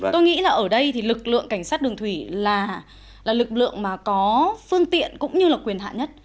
tôi nghĩ là ở đây thì lực lượng cảnh sát đường thủy là lực lượng mà có phương tiện cũng như là quyền hạ nhất